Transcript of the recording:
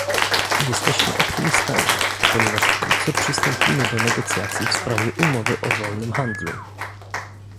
Jesteśmy optymistami, ponieważ wkrótce przystąpimy do negocjacji w sprawie umowy o wolnym handlu